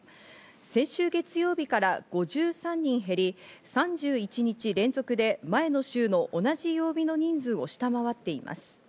先週月曜日から５３人減り、３１日連続で前の週の同じ曜日の人数を下回っています。